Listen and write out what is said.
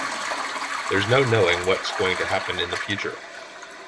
There's no knowing what's going to happen in the future.